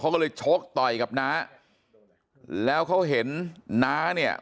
เขาก็เลยชกต่อยกับน้าแล้วเขาเห็นน้าเนี่ย